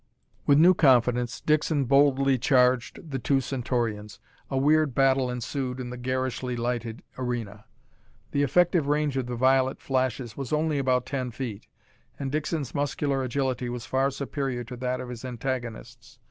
With new confidence, Dixon boldly charged the two Centaurians. A weird battle ensued in the garishly lighted arena. The effective range of the violet flashes was only about ten feet, and Dixon's muscular agility was far superior to that of his antagonists.